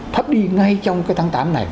thấp đi ngay trong cái tháng tám này